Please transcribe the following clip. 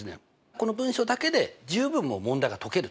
この文章だけで十分もう問題が解けると。